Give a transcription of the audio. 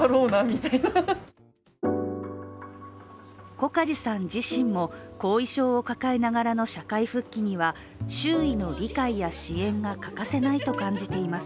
小梶さん自身も後遺症を抱えながらの社会復帰には周囲の理解や支援が欠かせないと感じています。